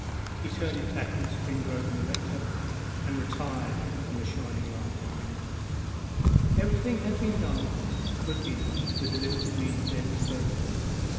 He turned his back on Springrove and the rector, and retired from the shining light. Everything had been done that could be done with the limited means at their disposal.